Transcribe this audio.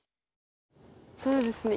そうですね